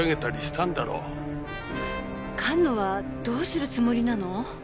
菅野はどうするつもりなの？